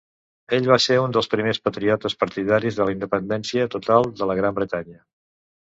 Ell va ser un dels primers Patriotes partidaris de la independència total de la Gran Bretanya.